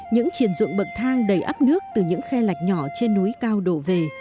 những triển ruộng bậc thang đầy ấp nước từ những khe lạch nhỏ trên núi cao độ vn